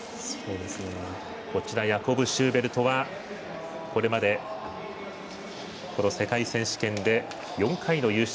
ヤコブ・シューベルトはこれまでこの世界選手権で４回の優勝。